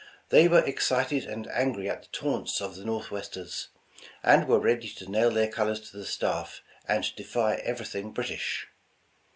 They were excited and angry at the taunts of the Northwest ers, and were ready to nail their colors to the staff and defy everything British.